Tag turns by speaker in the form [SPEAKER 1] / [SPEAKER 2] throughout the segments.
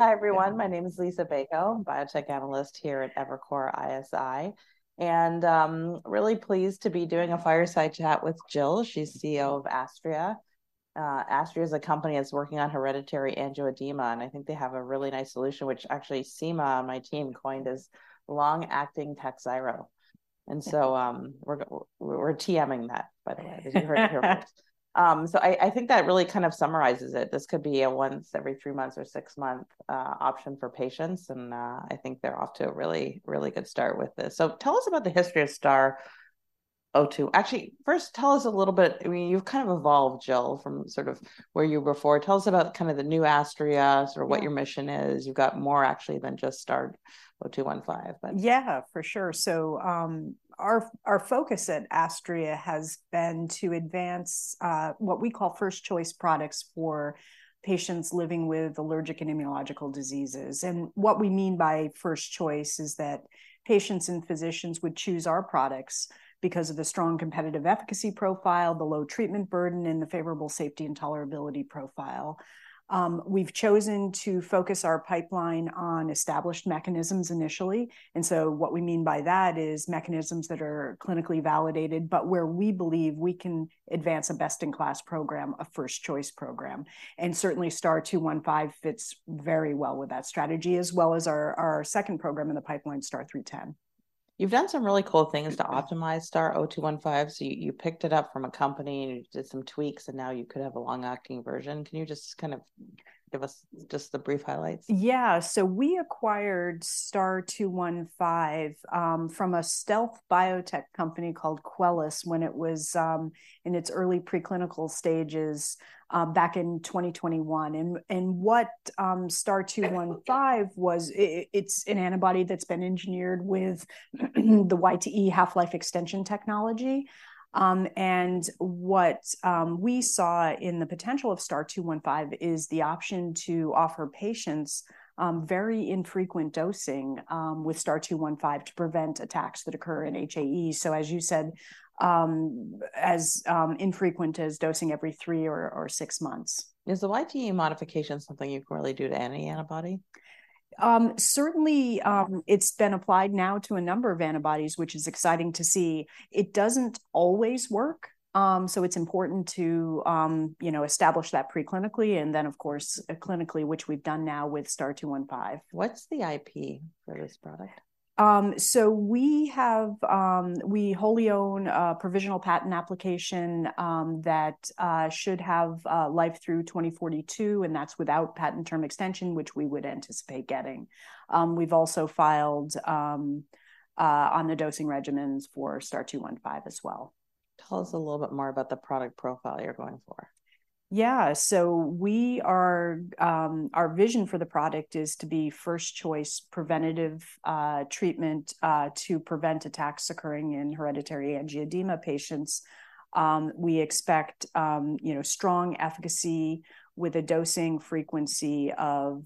[SPEAKER 1] Hi, everyone. My name is Liisa Bayko, biotech analyst here at Evercore ISI, and really pleased to be doing a fireside chat with Jill. She's CEO of Astria. Astria's a company that's working on hereditary angioedema, and I think they have a really nice solution, which actually Seema on my team coined as long-acting Takhzyro. And so, we're, we're TM-ing that, by the way. You heard it here first. So, I think that really kind of summarizes it. This could be a once every three months or six-month option for patients, and I think they're off to a really, really good start with this. So, tell us about the history of STAR-0215. Actually, first tell us a little bit. I mean, you've kind of evolved, Jill, from sort of where you were before. Tell us about kind of the new Astria's-
[SPEAKER 2] Yeah...
[SPEAKER 1] or what your mission is. You've got more actually than just STAR-0215, but-
[SPEAKER 2] Yeah, for sure. So, our focus at Astria has been to advance what we call first choice products for patients living with allergic and immunological diseases, and what we mean by first choice is that patients and physicians would choose our products because of the strong competitive efficacy profile, the low treatment burden, and the favorable safety and tolerability profile. We've chosen to focus our pipeline on established mechanisms initially, and so what we mean by that is mechanisms that are clinically validated, but where we believe we can advance a best-in-class program, a first-choice program. And certainly STAR-0215 fits very well with that strategy, as well as our second program in the pipeline, STAR-0310.
[SPEAKER 1] You've done some really cool things to optimize STAR-0215. So you picked it up from a company and you did some tweaks, and now you could have a long-acting version. Can you just kind of give us just the brief highlights?
[SPEAKER 2] Yeah, so we acquired STAR-0215 from a stealth biotech company called Quellis when it was in its early preclinical stages back in 2021. And what STAR-0215-
[SPEAKER 1] Yeah...
[SPEAKER 2] was it's an antibody that's been engineered with the YTE half-life extension technology. And what we saw in the potential of STAR-0215 is the option to offer patients very infrequent dosing with STAR-0215 to prevent attacks that occur in HAE. So, as you said, as infrequent as dosing every three or six months.
[SPEAKER 1] Is the YTE modification something you can really do to any antibody?
[SPEAKER 2] Certainly, it's been applied now to a number of antibodies, which is exciting to see. It doesn't always work, so it's important to, you know, establish that preclinically and then, of course, clinically, which we've done now with STAR-0215.
[SPEAKER 1] What's the IP for this product?
[SPEAKER 2] So we have. We wholly own a provisional patent application that should have life through 2042, and that's without patent term extension, which we would anticipate getting. We've also filed on the dosing regimens for STAR-0215 as well.
[SPEAKER 1] Tell us a little bit more about the product profile you're going for?
[SPEAKER 2] Yeah. So we are... Our vision for the product is to be first choice preventative treatment to prevent attacks occurring in hereditary angioedema patients. We expect, you know, strong efficacy with a dosing frequency of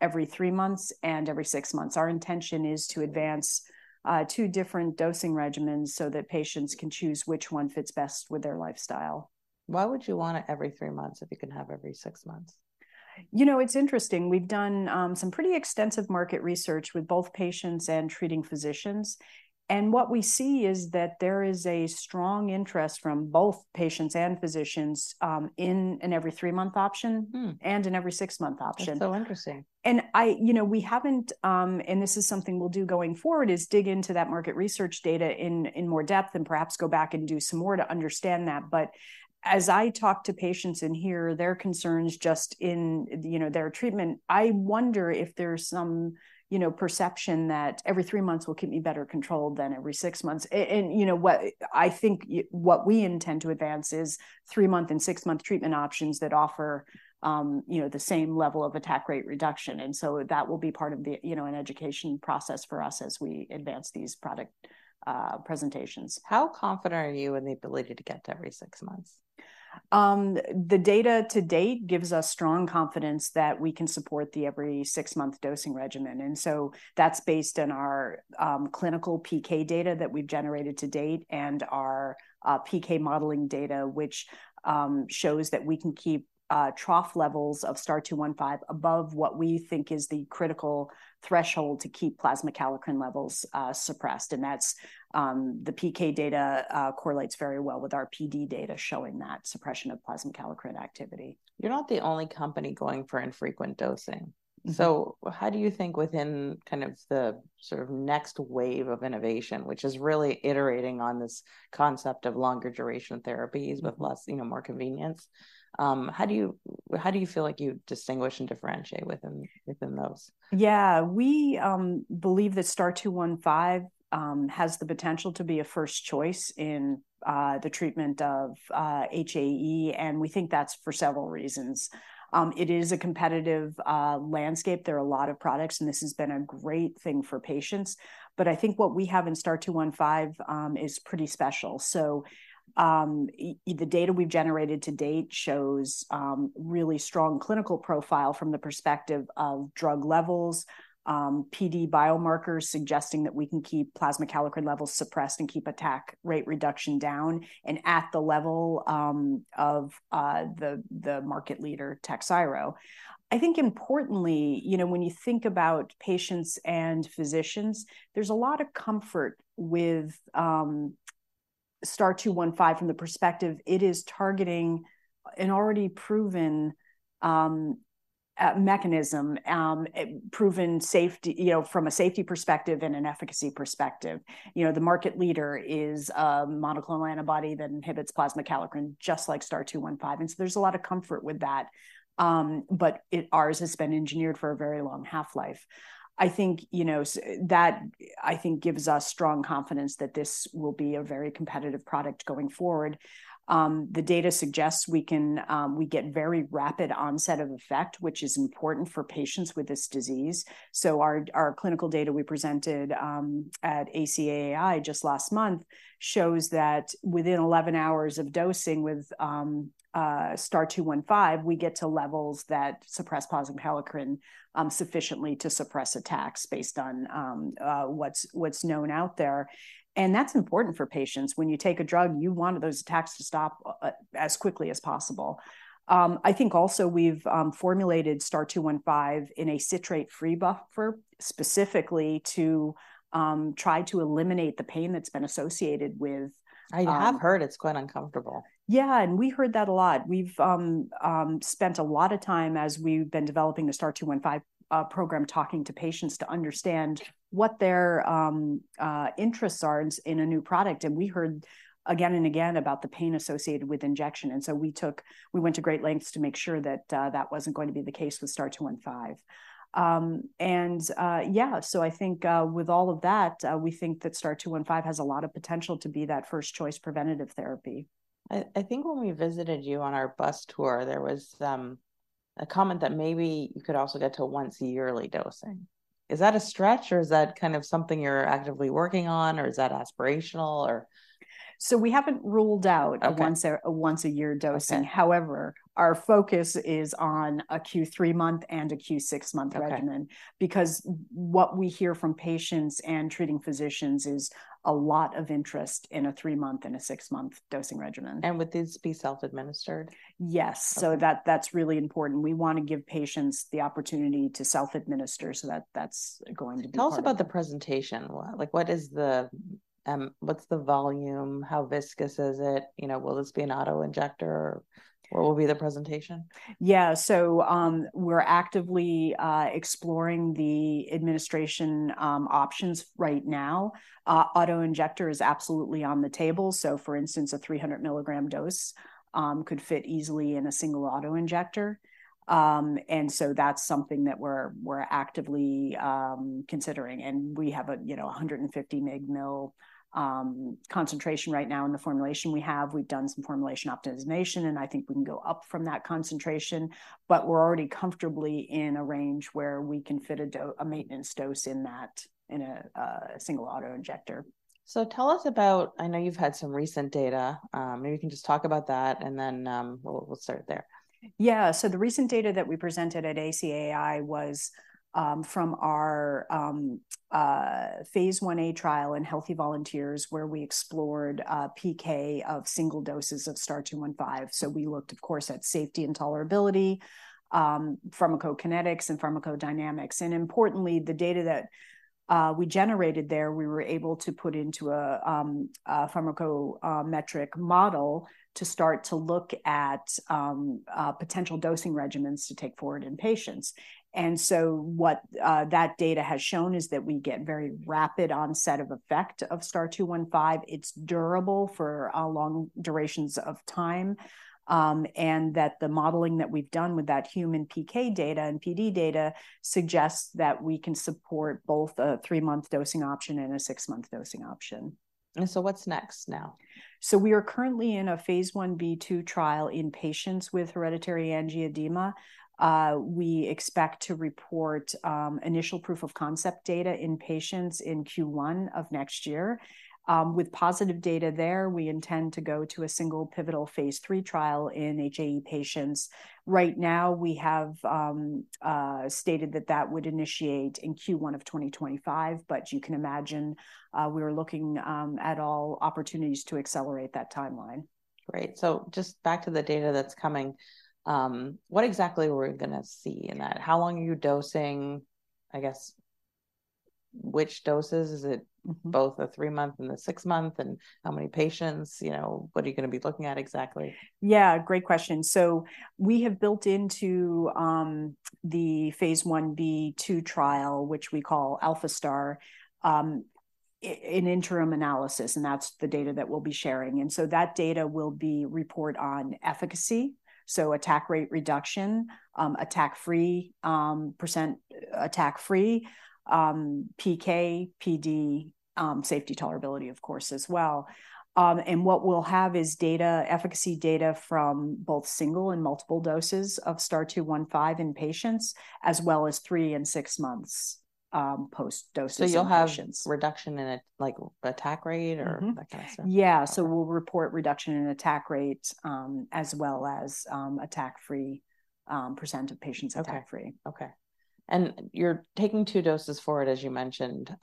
[SPEAKER 2] every three months and every six months. Our intention is to advance two different dosing regimens so that patients can choose which one fits best with their lifestyle.
[SPEAKER 1] Why would you want it every three months if you can have every six months?
[SPEAKER 2] You know, it's interesting. We've done some pretty extensive market research with both patients and treating physicians, and what we see is that there is a strong interest from both patients and physicians in an every three month option-
[SPEAKER 1] Hmm...
[SPEAKER 2] and an every 6-month option.
[SPEAKER 1] That's so interesting.
[SPEAKER 2] You know, we haven't, and this is something we'll do going forward, is dig into that market research data in more depth and perhaps go back and do some more to understand that. But, as I talk to patients and hear their concerns just in, you know, their treatment, I wonder if there's some, you know, perception that every three months will keep me better controlled than every six months. And you know what? I think what we intend to advance is three-month and six-month treatment options that offer, you know, the same level of attack rate reduction, and so that will be part of the, you know, an education process for us as we advance these product presentations.
[SPEAKER 1] How confident are you in the ability to get to every six months?
[SPEAKER 2] The data to date gives us strong confidence that we can support the every six month dosing regimen, and so that's based on our clinical PK data that we've generated to date and our PK modeling data, which shows that we can keep trough levels of STAR-0215 above what we think is the critical threshold to keep plasma kallikrein levels suppressed. And that's the PK data correlates very well with our PD data, showing that suppression of plasma kallikrein activity.
[SPEAKER 1] You're not the only company going for infrequent dosing.
[SPEAKER 2] Mm-hmm.
[SPEAKER 1] So, how do you think within kind of the sort of next wave of innovation, which is really iterating on this concept of longer duration therapies with less, you know, more convenience, how do you, how do you feel like you distinguish and differentiate within, within those?
[SPEAKER 2] Yeah. We believe that STAR-0215 has the potential to be a first choice in the treatment of HAE, and we think that's for several reasons. It is a competitive landscape. There are a lot of products, and this has been a great thing for patients, but I think what we have in STAR-0215 is pretty special. So, the data we've generated to date shows really strong clinical profile from the perspective of drug levels, PD biomarkers suggesting that we can keep plasma kallikrein levels suppressed and keep attack rate reduction down, and at the level of the market leader, Takhzyro. I think importantly, you know, when you think about patients and physicians, there's a lot of comfort with k-... STAR-0215 from the perspective, it is targeting an already proven, mechanism, it proven safety, you know, from a safety perspective and an efficacy perspective. You know, the market leader is a monoclonal antibody that inhibits plasma kallikrein, just like STAR-0215, and so there's a lot of comfort with that. But it, ours has been engineered for a very long half-life. I think, you know, that, I think, gives us strong confidence that this will be a very competitive product going forward. The data suggests we can, We get very rapid onset of effect, which is important for patients with this disease. So our clinical data we presented at ACAAI just last month shows that within 11 hours of dosing with STAR-0215, we get to levels that suppress plasma kallikrein sufficiently to suppress attacks based on what's known out there, and that's important for patients. When you take a drug, you want those attacks to stop as quickly as possible. I think also we've formulated STAR-0215 in a citrate-free buffer, specifically to try to eliminate the pain that's been associated with
[SPEAKER 1] I have heard it's quite uncomfortable.
[SPEAKER 2] Yeah, and we heard that a lot. We've spent a lot of time as we've been developing the STAR-0215 program, talking to patients to understand what their interests are in a new product, and we heard again and again about the pain associated with injection, and so we went to great lengths to make sure that that wasn't going to be the case with STAR-0215. And yeah, so, I think with all of that, we think that STAR-0215 has a lot of potential to be that first-choice preventative therapy.
[SPEAKER 1] I think when we visited you on our bus tour, there was a comment that maybe you could also get to a once yearly dosing. Is that a stretch, or is that kind of something you're actively working on, or is that aspirational, or?
[SPEAKER 2] So we haven't ruled out-
[SPEAKER 1] Okay...
[SPEAKER 2] a once-a-year dosing.
[SPEAKER 1] Okay.
[SPEAKER 2] However, our focus is on a Q3 month and a Q6 month regimen-
[SPEAKER 1] Okay...
[SPEAKER 2] because what we hear from patients and treating physicians is a lot of interest in a 3-month and a 6-month dosing regimen.
[SPEAKER 1] Would this be self-administered?
[SPEAKER 2] Yes.
[SPEAKER 1] Okay.
[SPEAKER 2] So that, that's really important. We wanna give patients the opportunity to self-administer, so that, that's going to be part of it.
[SPEAKER 1] Tell us about the presentation. Like, what is the, what's the volume? How viscous is it? You know, will this be an auto-injector, or what will be the presentation?
[SPEAKER 2] Yeah, so, we're actively exploring the administration options right now. Auto-injector is absolutely on the table. So, for instance, a 300-milligram dose could fit easily in a single auto-injector. And so that's something that we're actively considering, and we have a, you know, 150 mg/ml concentration right now in the formulation we have. We've done some formulation optimization, and I think we can go up from that concentration, but we're already comfortably in a range where we can fit a maintenance dose in that, in a single auto-injector.
[SPEAKER 1] Tell us about, I know you've had some recent data. Maybe you can just talk about that, and then, we'll start there.
[SPEAKER 2] Yeah, so the recent data that we presented at ACAAI was from our phase 1a trial in healthy volunteers, where we explored PK of single doses of STAR-0215. So, we looked, of course, at safety and tolerability, pharmacokinetics and pharmacodynamics, and importantly, the data that we generated there, we were able to put into a pharmacometrics model to start to look at potential dosing regimens to take forward in patients. And so what that data has shown is that we get very rapid onset of effect of STAR-0215. It's durable for a long durations of time, and that the modeling that we've done with that human PK data and PD data suggests that we can support both a three-month dosing option and a six-month dosing option.
[SPEAKER 1] What's next now?
[SPEAKER 2] We are currently in a phase 1b/2 trial in patients with hereditary angioedema. We expect to report initial proof of concept data in patients in Q1 of next year. With positive data there, we intend to go to a single pivotal phase 3 trial in HAE patients. Right now, we have stated that that would initiate in Q1 of 2025, but you can imagine, we're looking at all opportunities to accelerate that timeline.
[SPEAKER 1] Great, so just back to the data that's coming, what exactly are we gonna see in that? How long are you dosing? I guess, which doses? Is it-
[SPEAKER 2] Mm-hmm...
[SPEAKER 1] both the 3-month and the 6-month, and how many patients? You know, what are you gonna be looking at exactly?
[SPEAKER 2] Yeah, great question. So, we have built into the Phase 1b/2 trial, which we call ALPHA-STAR, an interim analysis, and that's the data that we'll be sharing, and so that data will report on efficacy, so attack rate reduction, attack-free, percent attack-free, PK, PD, safety tolerability, of course, as well. And what we'll have is data, efficacy data from both single and multiple doses of STAR-0215 in patients, as well as 3 and 6 months post-dosing in patients.
[SPEAKER 1] You'll have reduction in, like, attack rate or-
[SPEAKER 2] Mm-hmm...
[SPEAKER 1] that kind of stuff?
[SPEAKER 2] Yeah, so we'll report reduction in attack rates, as well as, attack-free, percent of patients attack-free.
[SPEAKER 1] Okay, okay. And you're taking two doses forward, as you mentioned.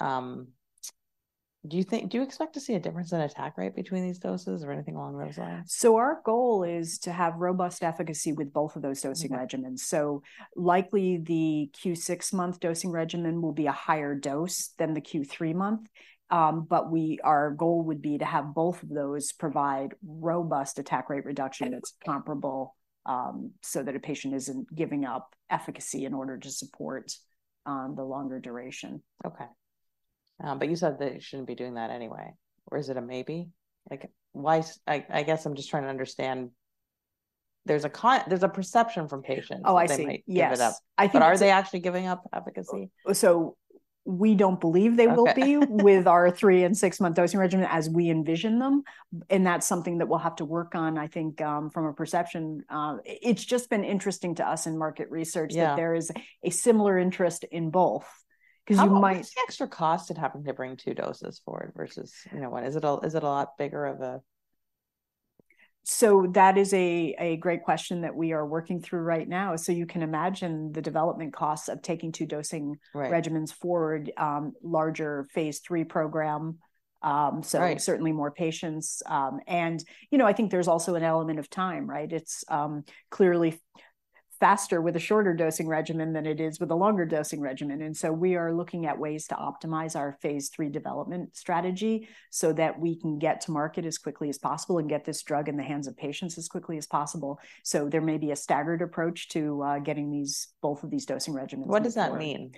[SPEAKER 1] Do you think, do you expect to see a difference in attack rate between these doses or anything along those lines?
[SPEAKER 2] Our goal is to have robust efficacy with both of those dosing regimens.
[SPEAKER 1] Okay.
[SPEAKER 2] So likely, the Q6 month dosing regimen will be a higher dose than the Q3 month. But our goal would be to have both of those provide robust attack rate reduction-
[SPEAKER 1] Okay...
[SPEAKER 2] that's comparable, so that a patient isn't giving up efficacy in order to support the longer duration.
[SPEAKER 1] Okay. But you said that you shouldn't be doing that anyway. Or is it a maybe? Like, why is... I guess I'm just trying to understand, there's a perception from patients-
[SPEAKER 2] Oh, I see. Yes.
[SPEAKER 1] that they might give it up.
[SPEAKER 2] I think-
[SPEAKER 1] Are they actually giving up efficacy?
[SPEAKER 2] So we don't believe they will be-
[SPEAKER 1] Okay.
[SPEAKER 2] with our 3- and 6-month dosing regimen as we envision them, and that's something that we'll have to work on, I think, from a perception. It's just been interesting to us in market research-
[SPEAKER 1] Yeah...
[SPEAKER 2] that there is a similar interest in both. 'Cause you might-
[SPEAKER 1] How, what's the extra cost it'd happen to bring two doses forward versus, you know, what? Is it a lot bigger of a?
[SPEAKER 2] So, that is a great question that we are working through right now. So you can imagine the development costs of taking two dosing-
[SPEAKER 1] Right...
[SPEAKER 2] regimens forward, larger Phase 3 program. So-
[SPEAKER 1] Right...
[SPEAKER 2] certainly more patients. You know, I think there's also an element of time, right? It's clearly faster with a shorter dosing regimen than it is with a longer dosing regimen, and so we are looking at ways to optimize our phase 3 development strategy so that we can get to market as quickly as possible and get this drug in the hands of patients as quickly as possible. So, there may be a staggered approach to getting these, both of these dosing regimens forward.
[SPEAKER 1] What does that mean?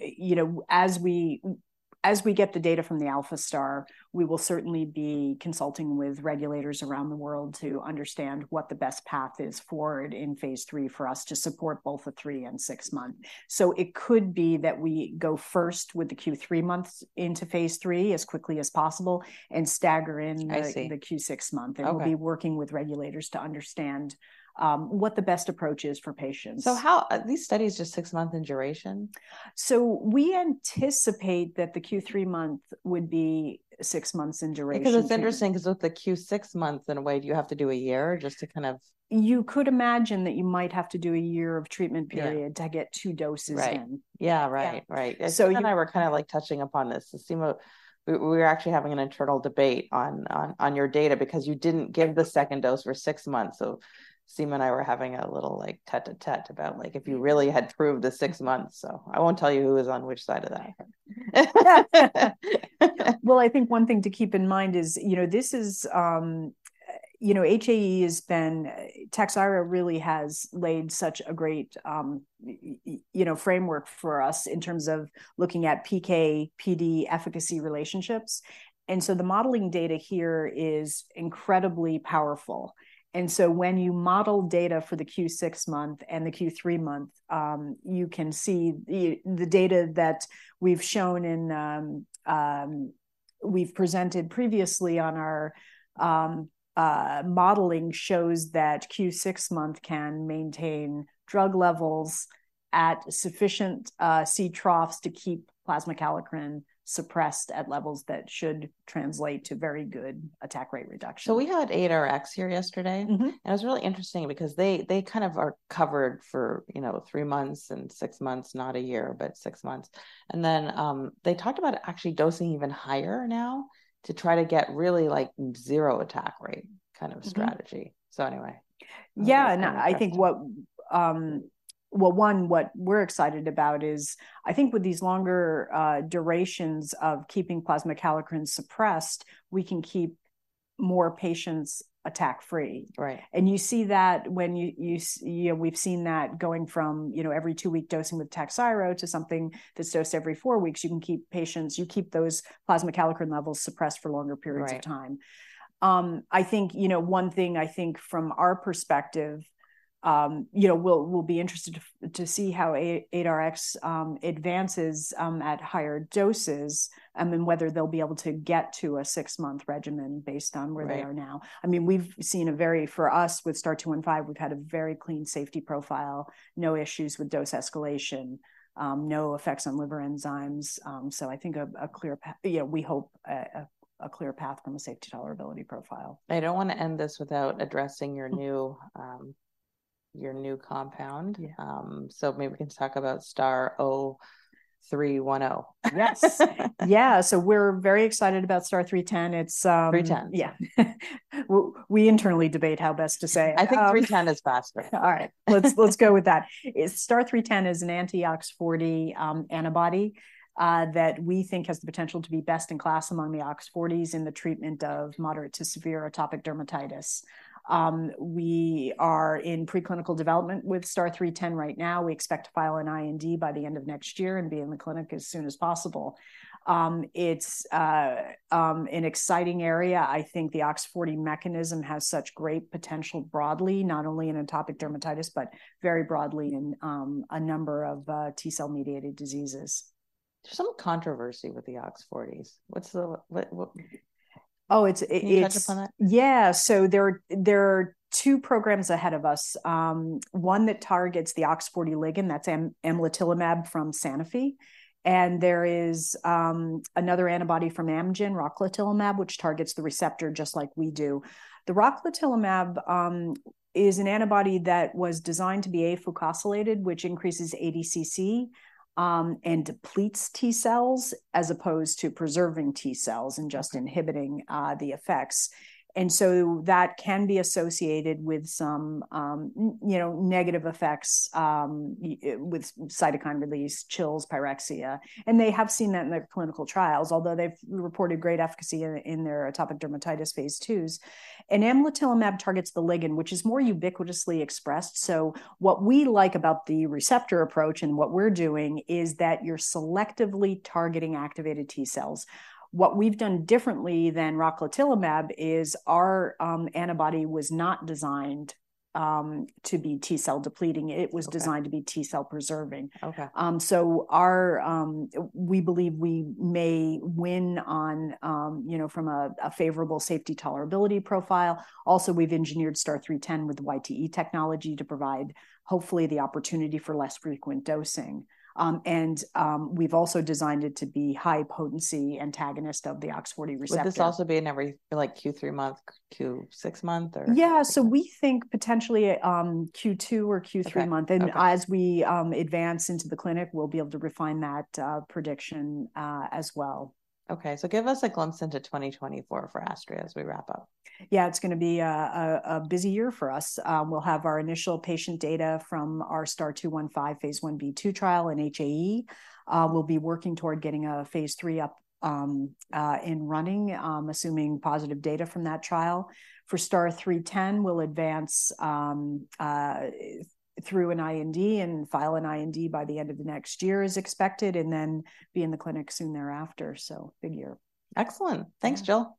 [SPEAKER 2] You know, as we get the data from the ALPHA-STAR, we will certainly be consulting with regulators around the world to understand what the best path is forward in phase 3 for us to support both the 3- and 6-month. So, it could be that we go first with the Q3 months into phase 3 as quickly as possible, and stagger in the-
[SPEAKER 1] I see...
[SPEAKER 2] the Q6 month.
[SPEAKER 1] Okay.
[SPEAKER 2] We'll be working with regulators to understand what the best approach is for patients.
[SPEAKER 1] So, how are these studies just six months in duration?
[SPEAKER 2] We anticipate that the Q3 month would be six months in duration, too.
[SPEAKER 1] Because it's interesting, 'cause with the Q6 months, in a way, do you have to do a year just to kind of-
[SPEAKER 2] You could imagine that you might have to do a year of treatment period-
[SPEAKER 1] Yeah...
[SPEAKER 2] to get 2 doses in.
[SPEAKER 1] Right. Yeah, right.
[SPEAKER 2] Yeah.
[SPEAKER 1] Right.
[SPEAKER 2] So-
[SPEAKER 1] You and I were kind of like touching upon this. So Seema, we were actually having an internal debate on your data because you didn't give the second dose for 6 months. So Seema and I were having a little, like, tete-a-tete about, like, if you really had proved the 6 months. So I won't tell you who was on which side of that.
[SPEAKER 2] Well, I think one thing to keep in mind is, you know, this is, you know, HAE has been... Takhzyro really has laid such a great, you know, framework for us in terms of looking at PK/PD efficacy relationships, and so the modeling data here is incredibly powerful. And so when you model data for the Q6 month and the Q3 month, you can see the data that we've shown in... We've presented previously on our modeling shows that Q6 month can maintain drug levels at sufficient C troughs to keep plasma kallikrein suppressed at levels that should translate to very good attack rate reduction.
[SPEAKER 1] We had ADRx here yesterday.
[SPEAKER 2] Mm-hmm.
[SPEAKER 1] It was really interesting because they kind of are covered for, you know, 3 months and 6 months, not a year, but 6 months. Then, they talked about actually dosing even higher now to try to get really, like, 0 attack rate kind of strategy.
[SPEAKER 2] Mm-hmm.
[SPEAKER 1] So anyway.
[SPEAKER 2] Yeah, no, I think what we're excited about is, I think with these longer durations of keeping plasma kallikrein suppressed, we can keep more patients attack-free.
[SPEAKER 1] Right.
[SPEAKER 2] You see that when you... You know, we've seen that going from, you know, every two-week dosing with Takhzyro to something that's dosed every four weeks. You can keep patients... You keep those plasma kallikrein levels suppressed for longer periods of time.
[SPEAKER 1] Right.
[SPEAKER 2] I think, you know, one thing, I think from our perspective, you know, we'll be interested to see how ADRx advances at higher doses, and whether they'll be able to get to a six-month regimen based on where they are now.
[SPEAKER 1] Right.
[SPEAKER 2] I mean, we've seen a very, for us, with STAR-0215, we've had a very clean safety profile, no issues with dose escalation, no effects on liver enzymes. So, I think a clear path, you know, we hope, a clear path from a safety tolerability profile.
[SPEAKER 1] I don't wanna end this without addressing your new compound.
[SPEAKER 2] Yeah.
[SPEAKER 1] Maybe we can talk about STAR-0310.
[SPEAKER 2] Yes. Yeah, so we're very excited about STAR-0310. It's,
[SPEAKER 1] 310.
[SPEAKER 2] Yeah. We internally debate how best to say,
[SPEAKER 1] I think 310 is faster.
[SPEAKER 2] All right. Let's go with that. STAR-0310 is an anti-OX40 antibody that we think has the potential to be best in class among the OX40s in the treatment of moderate to severe atopic dermatitis. We are in preclinical development with STAR-0310 right now. We expect to file an IND by the end of next year and be in the clinic as soon as possible. It's an exciting area. I think the OX40 mechanism has such great potential broadly, not only in atopic dermatitis, but very broadly in a number of T-cell mediated diseases.
[SPEAKER 1] There's some controversy with the OX40s. What's the what?...
[SPEAKER 2] Oh, it's-
[SPEAKER 1] Can you touch upon that?
[SPEAKER 2] Yeah, so there are two programs ahead of us. One that targets the OX40 ligand, that's amlitelimab from Sanofi, and there is another antibody from Amgen, rocatinlimab, which targets the receptor just like we do. The rocatinlimab is an antibody that was designed to be afucosylated, which increases ADCC, and depletes T cells, as opposed to preserving T cells and just inhibiting the effects. And so that can be associated with some, you know, negative effects with cytokine release, chills, pyrexia, and they have seen that in their clinical trials, although they've reported great efficacy in their atopic dermatitis phase 2s. And amlitelimab targets the ligand, which is more ubiquitously expressed. So, what we like about the receptor approach and what we're doing is that you're selectively targeting activated T cells. What we've done differently than rocatinlimab is our antibody was not designed to be T-cell depleting.
[SPEAKER 1] Okay.
[SPEAKER 2] It was designed to be T-cell preserving.
[SPEAKER 1] Okay.
[SPEAKER 2] So, we believe we may win on, you know, from a favorable safety tolerability profile. Also, we've engineered STAR-0310 with YTE technology to provide, hopefully, the opportunity for less frequent dosing. And we've also designed it to be high-potency antagonist of the OX40 receptor.
[SPEAKER 1] Would this also be an every, like, Q3 month, Q6 month, or?
[SPEAKER 2] Yeah, so we think potentially, Q2 or Q3 month.
[SPEAKER 1] Okay, okay.
[SPEAKER 2] As we advance into the clinic, we'll be able to refine that prediction as well.
[SPEAKER 1] Okay, so give us a glimpse into 2024 for Astria as we wrap up.
[SPEAKER 2] Yeah, it's gonna be a busy year for us. We'll have our initial patient data from our STAR-0215 phase 1b/2 trial in HAE. We'll be working toward getting a phase 3 up and running, assuming positive data from that trial. For STAR-0310, we'll advance through an IND and file an IND by the end of the next year, is expected, and then be in the clinic soon thereafter, so big year.
[SPEAKER 1] Excellent! Thanks, Jill.